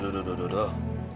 duh duh duh